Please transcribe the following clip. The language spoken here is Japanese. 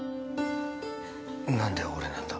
何で俺なんだ